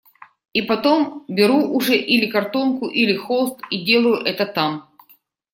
И потом беру уже или картонку, или холст, и делаю это там.